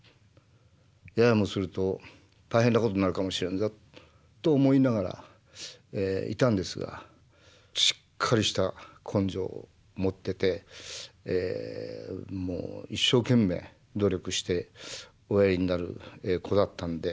ややもすると大変なことになるかもしれんぞ」と思いながらいたんですがしっかりした根性を持っててもう一生懸命努力しておやりになる子だったんで。